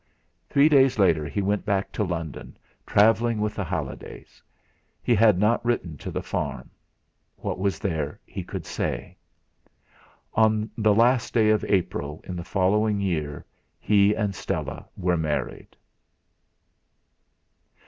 Three days later he went back to London, travelling with the Hallidays. He had not written to the farm. What was there he could say? On the last day of April in the following year he and Stella were married....